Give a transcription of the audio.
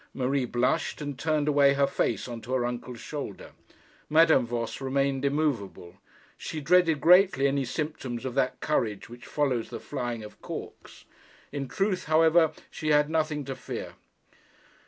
Marie blushed and turned away her face on to her uncle's shoulder. Madame Voss remained immovable. She dreaded greatly any symptoms of that courage which follows the flying of corks. In truth, however, she had nothing now to fear.